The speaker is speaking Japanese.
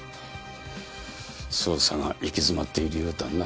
捜査が行き詰まっているようだな